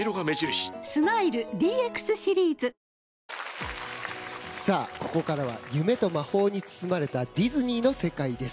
スマイル ＤＸ シリーズ！さあ、ここからは夢と魔法に包まれたディズニーの世界です。